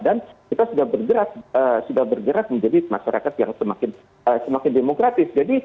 dan kita sudah bergerak menjadi masyarakat yang semakin demokratis